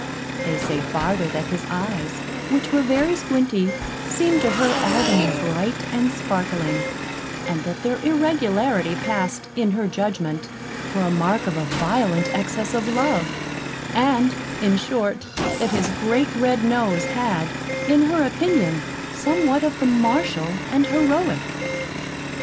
They say farther, that his eyes, which were very squinting, seemed to her all the more bright and sparkling; that their irregularity passed in her judgment for a mark of a violent excess of love; and, in short, that his great red nose had, in her opinion, somewhat of the martial and heroic.